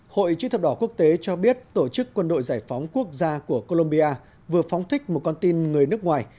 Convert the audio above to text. hội chức thập đỏ quốc tế cho biết tổ chức quân đội giải phóng quốc gia của colombia vừa phóng thích một con tin người nước ngoài